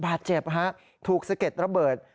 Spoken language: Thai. บาดเจ็บฮะถูกสะเก็ดระเบิด